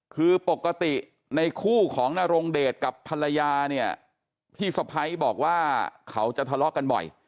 คือปกติในคู่ของนรงเดชกับภรรยาเนี่ยพี่สะพ้ายบอกว่าเขาจะทะเลาะกันบ่อย